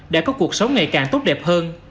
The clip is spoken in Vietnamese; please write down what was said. đã có cuộc sống ngày càng tốt đẹp hơn